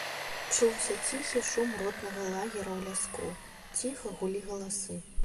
Чуўся ціхі шум ротнага лагера ў ляску, ціха гулі галасы.